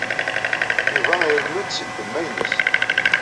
Yuba irennu-d seg ddemma-nnes.